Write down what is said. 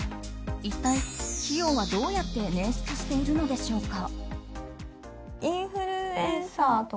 一体、費用はどうやって捻出しているのでしょうか。